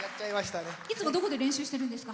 いつもどこで練習してるんですか？